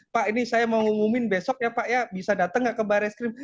pak ini saya mau ngumumin besok ya pak ya bisa datang nggak ke baris krim